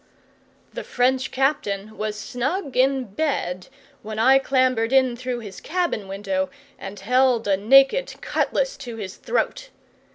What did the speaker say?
The French captain was snug in bed when I clambered in through his cabin window and held a naked cutlass to his throat.